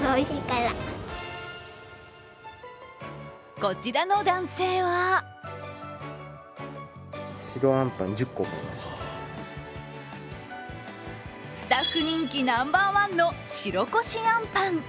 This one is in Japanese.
こちらの男性はスタッフ人気ナンバーワンの白こし×あんぱん。